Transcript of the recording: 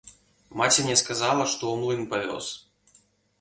Маці мне сказала, што ў млын павёз.